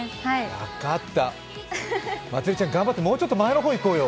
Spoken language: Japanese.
分かった、まつりちゃん頑張ってもうちょっと前の方へ行こうよ。